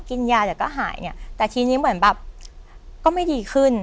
กินยาเดี๋ยวก็หายเนี่ยแต่ทีนี้เหมือนแบบก็ไม่ดีขึ้น